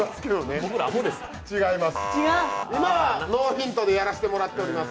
今はノーヒントでやらせてもらっております。